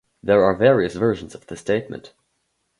There are various versions of this statement.